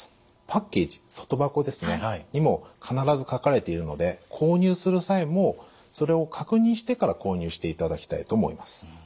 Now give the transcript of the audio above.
パッケージ外箱にも必ず書かれているので購入する際もそれを確認してから購入していただきたいと思います。